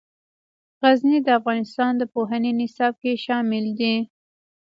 غزني د افغانستان د پوهنې نصاب کې شامل دي.